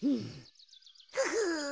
フフ